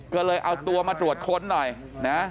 ก็เลยเอาตัวมาตรวจค้นหน่อยนะ